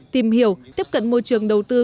tìm hiểu tiếp cận môi trường đầu tư